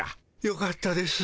よかったです